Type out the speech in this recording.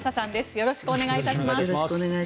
よろしくお願いします。